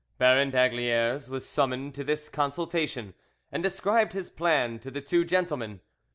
Baron d'Aygaliers was summoned to this consultation, and described his plan to the two gentlemen.